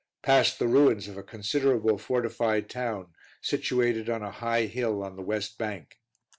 Passed the ruins of a considerable fortified town situated on a high hill on the west bank.